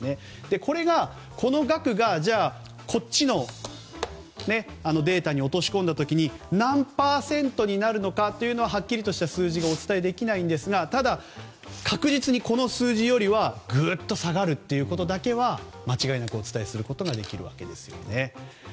この額がこのデータに落とし込んだ時に何パーセントになるのかははっきりした数字がお伝え出来ないんですがただ、確実にこの数字よりはぐっと下がるということだけは間違いなくお伝えできますね。